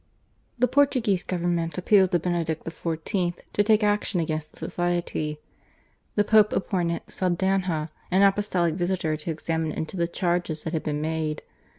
The Portuguese government appealed to Benedict XIV. to take action against the Society. The Pope appointed Saldanha an apostolic visitor to examine into the charges that had been made.